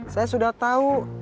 saya sudah tahu